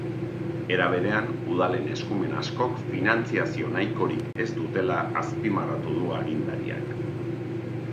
Era berean, udalen eskumen askok finantziazio nahikorik ez dutela azpimarratu du agintariak.